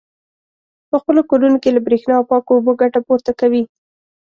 په خپلو کورونو کې له برېښنا او پاکو اوبو ګټه پورته کوي.